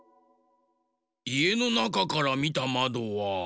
いえのなかからみたまどは？